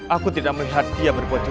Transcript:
aku tidak melihat dia berbuat curah